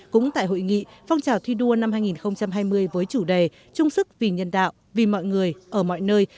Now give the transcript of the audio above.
cũng tại hội nghị phong trào thi đua năm hai nghìn hai mươi với chủ đề trung sức vì nhân đạo vì mọi người ở mọi nơi